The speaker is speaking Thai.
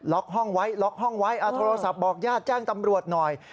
ห้องไว้ล็อกห้องไว้โทรศัพท์บอกญาติแจ้งตำรวจหน่อย